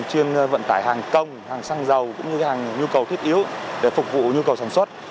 trên vận tải hàng công hàng xăng dầu cũng như hàng nhu cầu thiết yếu để phục vụ nhu cầu sản xuất